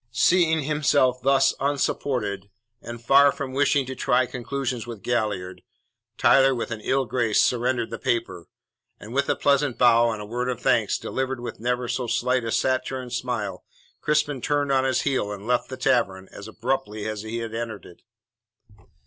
Seeing himself thus unsupported, and far from wishing to try conclusions with Galliard, Tyler with an ill grace surrendered the paper; and, with a pleasant bow and a word of thanks, delivered with never so slight a saturnine smile, Crispin turned on his heel and left the tavern as abruptly as he had entered it.